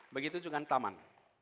begitu juga dengan taman